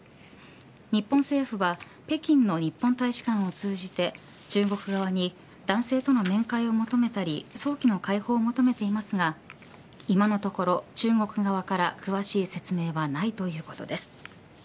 日本政府は北京の日本大使館を通じて中国側に男性との面会を求めたり早期の解放を求めていますが今のところ中国側から詳しい説明はないということです。